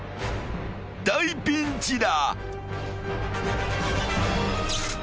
［大ピンチだ］